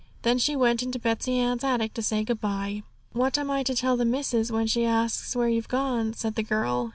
Then she went into Betsey Ann's attic to say good bye. 'What am I to tell the missis, when she asks where you've gone?' said the girl.